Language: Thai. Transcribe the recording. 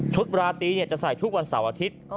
ราตรีจะใส่ทุกวันเสาร์อาทิตย์